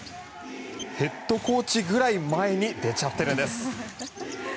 ヘッドコーチぐらい前に出ちゃってるんです。